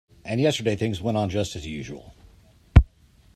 And yesterday things went on just as usual.